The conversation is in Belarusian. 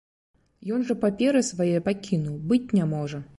Ён жа паперы свае пакінуў, быць не можа!